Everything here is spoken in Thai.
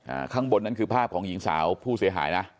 ข้างบนนั้นคือภาพของหญิงสาวผู้เสียหายนะ